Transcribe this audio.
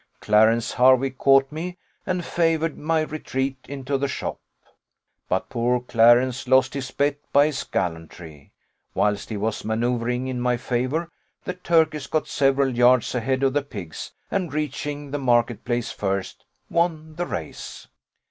Clarence Hervey caught me, and favoured my retreat into the shop. But poor Clarence lost his bet by his gallantry. Whilst he was manoeuvring in my favour, the turkeys got several yards ahead of the pigs, and reaching the market place first, won the race.